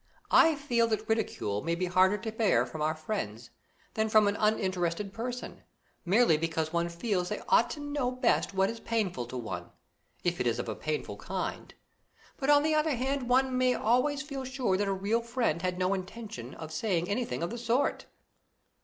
"I think that ridicule may be harder to bear from our friends than from an uninterested person, merely because one feels they ought to know best what is painful to one if it is of a painful kind; but on the other hand, one may always feel sure that a real friend had no intention of saying anything of the sort."